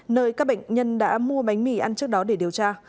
nơi các bệnh nhân đã mua bánh mì ăn trước đó để điều tra